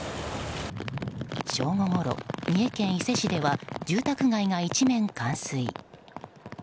正午ごろ、三重県伊勢市では住宅地が一面冠水。